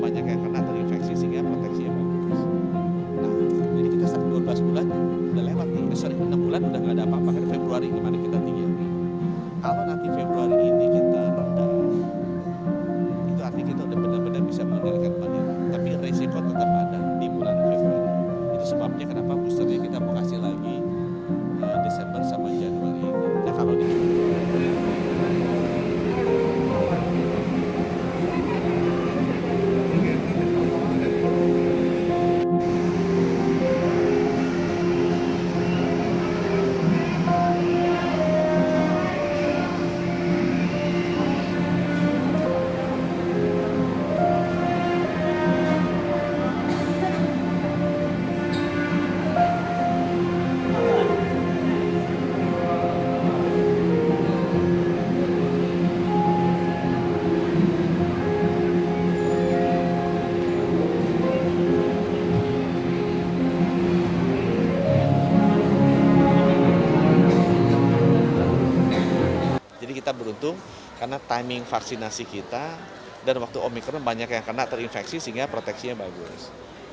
jadi kita begitu karena timing vaksinasi kita dan waktu objek terbanyak yang kena terinfeksi sehingga proteksi yang bagus